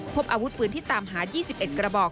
พบอาวุธปืนที่ตามหา๒๑กระบอก